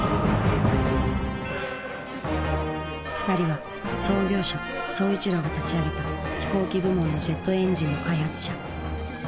２人は創業者宗一郎が立ち上げた飛行機部門のジェットエンジンの開発者。